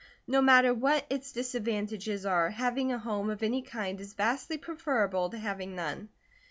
No matter what its disadvantages are, having a home of any kind is vastly preferable to having none.